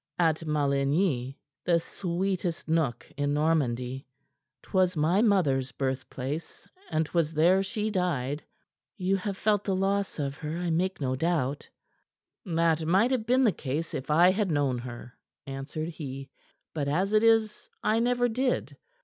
"At Maligny; the sweetest nook in Normandy. 'Twas my mother's birthplace, and 'twas there she died." "You have felt the loss of her, I make no doubt." "That might have been the case if I had known her," answered he. "But as it is, I never did.